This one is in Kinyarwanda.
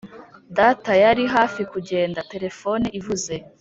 data yari hafi kugenda, telefone ivuze.